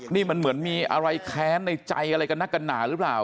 นี่มันเหมือนมีอะไรแค้นในใจอะไรกันนักกันหนาหรือเปล่า